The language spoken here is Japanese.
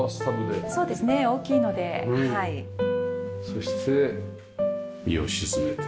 そして身を沈めて。